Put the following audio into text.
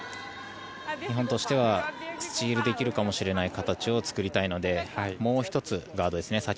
日本としてはスチールできるかもしれない形を作りたいのでもう１つ、ガードですね。